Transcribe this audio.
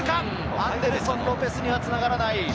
アンデルソン・ロペスにはつながらない。